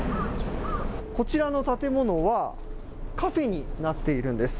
こちらの建物は、カフェになっているんです。